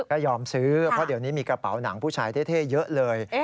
ก็ยอมซื้อเพราะเดี๋ยวนี้มีกระเป๋าหนังผู้ชายเท่เยอะเลย